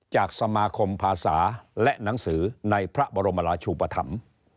จากสมาคมภาษาและหนังสือในพระบรมราชูปธรรม